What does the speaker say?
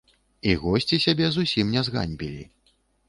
І госці сябе зусім не зганьбілі.